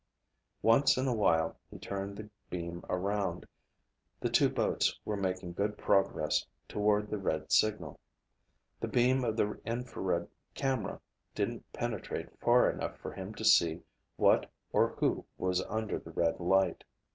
Once in a while he turned the beam around. The two boats were making good progress toward the red signal. The beam of the infrared camera didn't penetrate far enough for him to see what or who was under the red light.